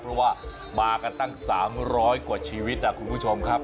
เพราะว่ามากันตั้ง๓๐๐กว่าชีวิตนะคุณผู้ชมครับ